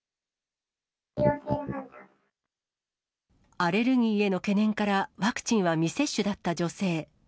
アレルギーへの懸念から、ワクチンは未接種だった女性。